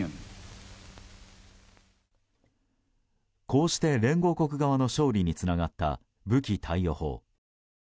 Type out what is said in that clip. こうして連合国側の勝利につながった武器貸与法。